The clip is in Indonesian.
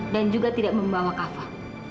dan juga tidak membawa kafa